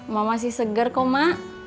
ma masih segar kok ma